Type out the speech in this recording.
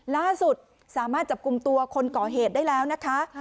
ล่าสุดสามารถจับกลุ่มตัวคนก่อเหตุได้แล้วนะคะ